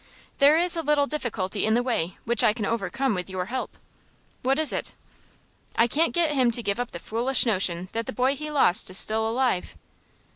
"There is a little difficulty in the way which I can overcome with your help." "What is it?" "I can't get him to give up the foolish notion that the boy he lost is still alive."